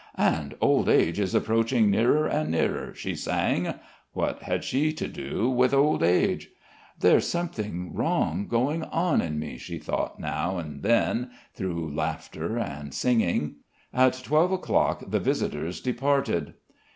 "And old age is approaching nearer and nearer," she sang. What had she to do with old age? "There's something wrong going on in me," she thought now and then through laughter and singing. At twelve o'clock the visitors departed.